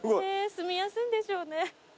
すみやすいんでしょうね。